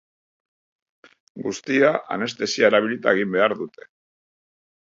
Guztia, anestesia erabilita egin behar dute.